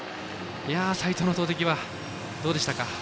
斉藤の投てきはどうでしたか。